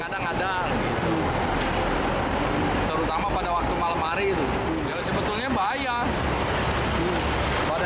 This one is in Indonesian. belum pernah sama sekali dibenerin apa